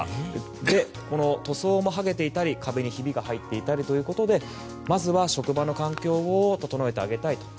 で、塗装も剥げていたり壁にひびが入っていたりということでまずは職場の環境を整えてあげたいと。